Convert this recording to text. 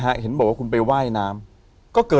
ถูกต้องไหมครับถูกต้องไหมครับ